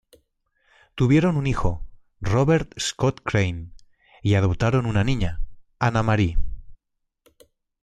Tuvieron un hijo, Robert Scott Crane, y adoptaron una niña, Ana Marie.